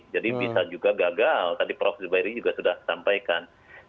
jadi bisa juga gagal tadi prof zubairi juga sudah sampaikan